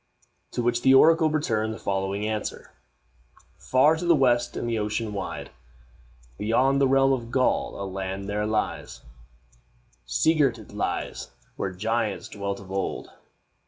To which the oracle returned the following answer: "Far to the west, in the ocean wide, Beyond the realm of Gaul a land there lies Sea girt it lies where giants dwelt of old.